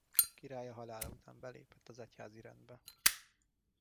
Királya halála után belépett az egyházi rendbe.